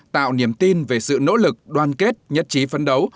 tạo niềm tin về sự nỗ lực đoan kết nhất trí phân đấu